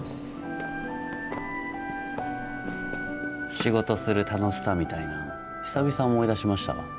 仕事する楽しさみたいなん久々思い出しましたわ。